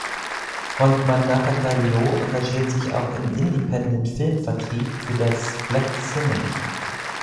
Frontmann Nakata Ryo engagiert sich auch im Independent-Filmvertrieb für das "Black Cinema".